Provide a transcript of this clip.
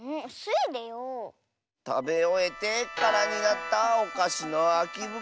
たべおえてからになったおかしのあきぶくろのなまえは。